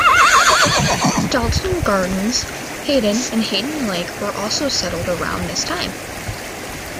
Dalton Gardens, Hayden, and Hayden Lake were also settled around this time.